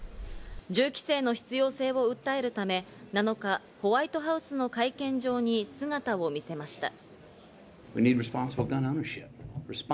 銃規制の必要性を訴えるため、７日、ホワイトハウスの会見場に姿を見せました。